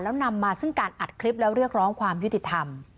แล้วนำมาซึ่งการอัดคลิปแล้วเรียกร้องความยุติธรรม